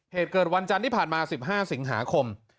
เหตุเกิดวันจันทร์ที่ผ่านมา๑๕สิงหาคม